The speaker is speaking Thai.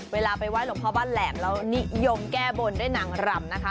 เวลาไปไห้หลวงพ่อบ้านแหลมแล้วนิยมแก้บนด้วยนางรำนะคะ